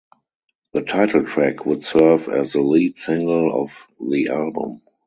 The title track would serve as the lead single of the album.